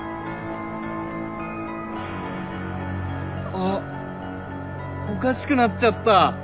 あっおかしくなっちゃった？